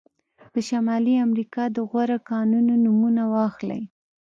د شمالي امریکا د غوره کانونه نومونه واخلئ.